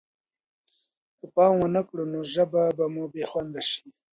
که پام ونه کړو نو ژبه به مو بې خونده شي.